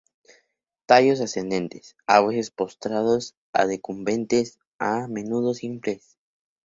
Tallos ascendentes, a veces postrados a decumbentes, a menudo simples.